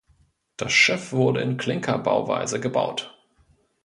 Das Schiff wurde in Klinkerbauweise gebaut.